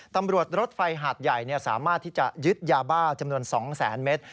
ตำรวจรถไฟหาดใหญ่สามารถที่จะยึดยาบ้าจำนวน๒แสนเมตร